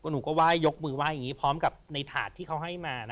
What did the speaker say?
นุกว่ายยกมือไว้ที่นี้พร้อมกับในถาดที่เขาให้มา